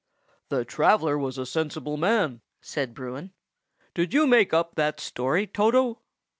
"The traveller was a sensible man," said Bruin. "Did you make up that story, Toto?"